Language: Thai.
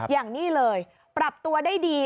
อย่างนี้เลยปรับตัวได้ดี